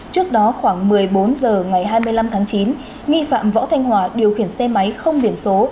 trước đó khoảng một mươi bốn h ngày hai mươi năm tháng chín nghi phạm võ thanh hòa điều khiển xe máy không biển số